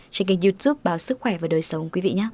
trên kênh youtube báo sức khỏe và đời sống